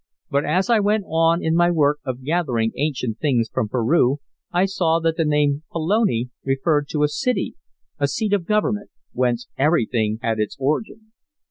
But as I went on in my work of gathering ancient things from Peru, I saw that the name Pelone referred to a city a seat of government, whence everything had its origin.